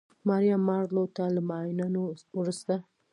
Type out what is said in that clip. ماریا مارلو ته له معاینانو وروسته